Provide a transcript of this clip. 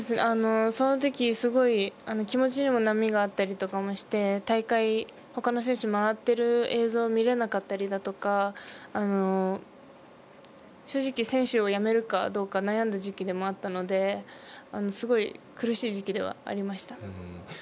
そのとき、すごい気持ちにも波があったりとかもして大会ほかの選手回っている映像見れなかったりだとか正直、選手をやめるかどうか悩んだ時期でもあったのですごい苦しい時期ではありました。